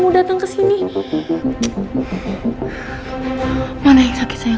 buat aku walau lu oscar ibadu